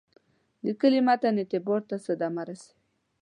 لیکلي متن اعتبار ته صدمه رسوي.